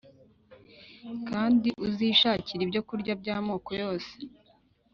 Kandi uzishakire ibyokurya by’amoko yose